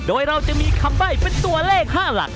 โดยเราจะมีคำใบ้เป็นตัวเลข๕หลัก